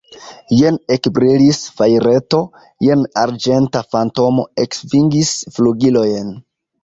Jen ekbrilis fajreto, jen arĝenta fantomo eksvingis flugilojn.